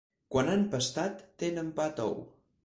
Quan han pastat tenen pa tou.